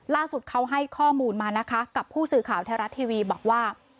ล่าสุดเขาให้ข้อมูลมานะคะกับผู้สื่อข่าวไทยรัฐทีวีบอกว่า